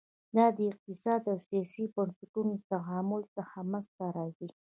دا د اقتصادي او سیاسي بنسټونو له تعامل څخه منځته راځي.